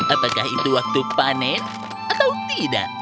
apakah itu waktu panen atau tidak